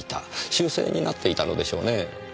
習性になっていたのでしょうねぇ。